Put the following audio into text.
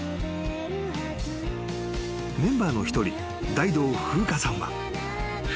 ［メンバーの一人大道風歌さんは］